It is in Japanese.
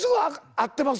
合ってます？